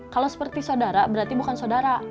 kalau seperti sodara berarti bukan sodara